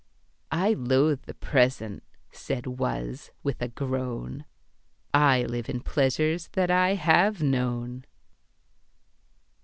"I loathe the present," said Was, with a groan; "I live in pleasures that I HAVE known."